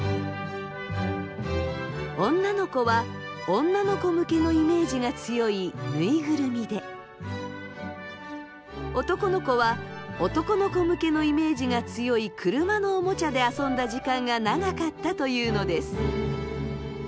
女の子は女の子向けのイメージが強いぬいぐるみで男の子は男の子向けのイメージが強い車のおもちゃで遊んだ時間が長かったというのです。